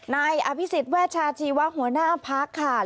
นายอภิษฎเวชาชีวะหัวหน้าพักค่ะ